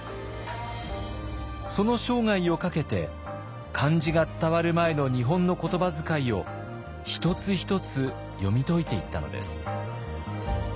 その生涯をかけて漢字が伝わる前の日本の言葉遣いを一つ一つ読み解いていったのです。